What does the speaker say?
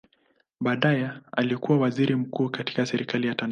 Baadaye alikua waziri mzuri katika Serikali ya Tanzania.